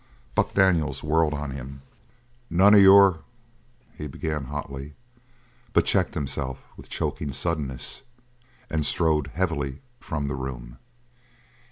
Buck Daniels whirled on him. "None of your " he began hotly, but checked himself with choking suddenness and strode heavily from the room.